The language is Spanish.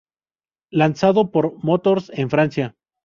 Lanzado por Motors en Francia.